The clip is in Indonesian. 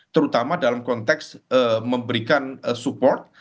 terutama dalam konteks memberikan support